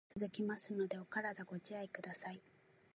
寒い日が続きますので、お体ご自愛下さい。